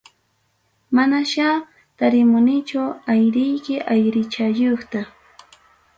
Manasya tarimunichu airiyki airichayuqta.